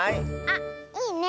あっいいね。